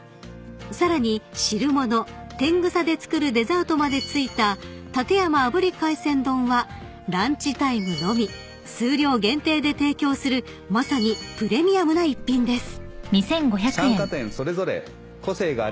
［さらに汁物テングサで作るデザートまで付いた館山炙り海鮮丼はランチタイムのみ数量限定で提供するまさにプレミアムな一品です］